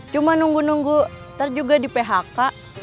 cuma nunggu nunggu ntar juga di phk